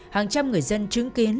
hàng trăm người dân chứng kiến